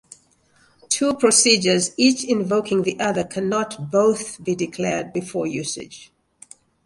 Two procedures, each invoking the other, cannot both be declared before usage.